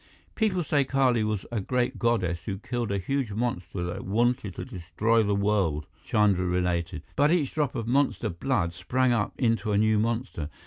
"People say Kali was a great goddess who killed a huge monster that wanted to destroy the world," Chandra related. "But each drop of monster blood sprang up into a new monster.